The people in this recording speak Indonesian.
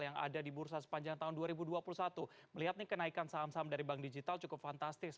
yang ada di bursa sepanjang tahun dua ribu dua puluh satu melihat nih kenaikan saham saham dari bank digital cukup fantastis